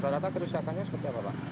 rata rata kerusakannya seperti apa pak